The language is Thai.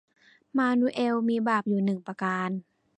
มานูเอลมีบาปอยู่หนึ่งประการ